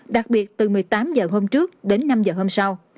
đặc biệt từ một mươi tám giờ hôm trước đến năm giờ hôm sau